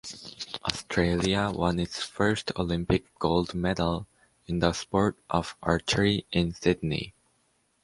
Australia won its first Olympic gold medal in the sport of archery in Sydney.